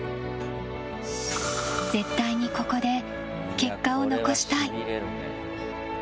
絶対にここで結果を残したい。